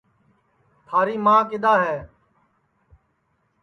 تھاری ماں کِدؔا ہے